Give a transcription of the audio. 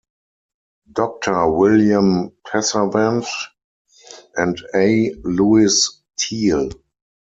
Doctor William Passavant and A. Louis Thiel.